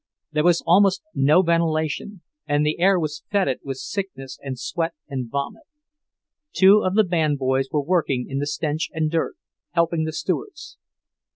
There was almost no ventilation, and the air was fetid with sickness and sweat and vomit. Two of the band boys were working in the stench and dirt, helping the stewards.